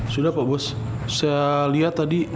sudah pak bos saya lihat tadi